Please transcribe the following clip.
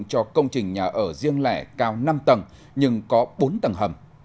cho công trình nhà ở riêng lẻ cao năm tầng nhưng có bốn tầng hầm